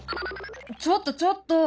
ちょっとちょっと！